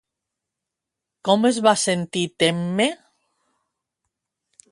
Com es va sentir Temme?